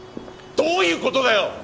・どういうことだよ！